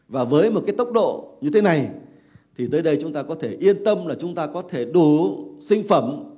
và với một cái tốc độ như thế này thì tới đây chúng ta có thể yên tâm là chúng ta có thể đủ sinh phẩm